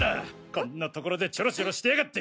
こんなところでちょろちょろしてやがって！